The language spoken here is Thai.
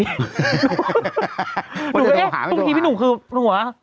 หนูก็ว่าพี่หนุ่มคือหนูหว่า